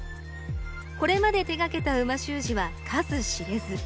これまで手がけた美味しゅう字は数知れず。